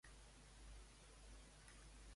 Pensa que és inútil tindre-la de gran?